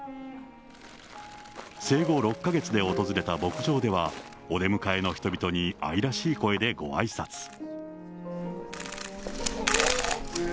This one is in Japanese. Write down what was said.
生後６か月で訪れた牧場ではお出迎えの人々に愛らしい声でごあいさつ。